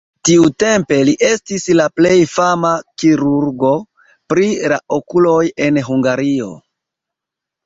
Tiutempe li estis la plej fama kirurgo pri la okuloj en Hungario.